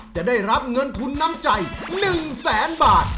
จะได้รับเงินทุนน้ำใจ๑แสนบาท